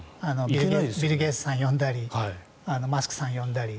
ビル・ゲイツさんを呼んだりマスクさんを呼んだり。